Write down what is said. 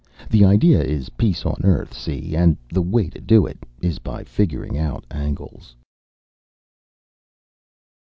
The idea is peace on Earth, see, and the way to do it is by figuring out angles.